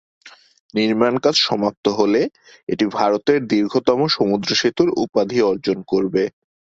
নির্মাণকাজ সমাপ্ত হলে এটি ভারতের দীর্ঘতম সমুদ্র সেতুর উপাধি অর্জন করবে।